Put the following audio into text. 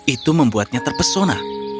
itu membuatnya terpesona